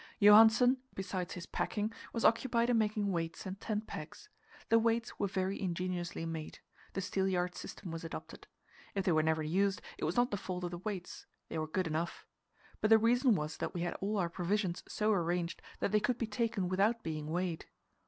Johansen, besides his packing, was occupied in making weights and tent pegs. The weights were very ingeniously made; the steelyard system was adopted. If they were never used, it was not the fault of the weights they were good enough. But the reason was that we had all our provisions so arranged that they could be taken without being weighed.